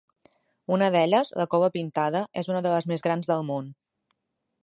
Una d'elles, la Cova Pintada, és una de les més grans del món.